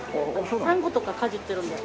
サンゴとかかじってるので。